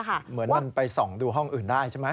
เหมือนมันไปส่องดูห้องอื่นได้ใช่ไหม